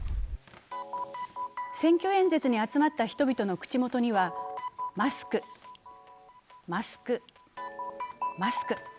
センキョ演説に集まった人々の口元には、マスク、マスク、マスク。